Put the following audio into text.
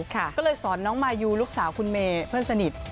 ก็เลยสอนน้องมายูลูกสาวคุณเมย์เพื่อนสนิท